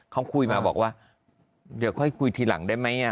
เขาคุยมาบอกว่าเดี๋ยวค่อยคุยทีหลังได้ไหม